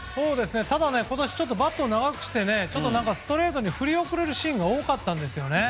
ただ、今年ちょっとバットを長くしてストレートに振り遅れるシーンが多かったんですよね。